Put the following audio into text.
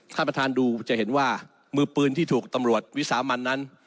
ท่านประธานดูจะเห็นว่ามือปืนที่ถูกตำรวจวิสามันนั้น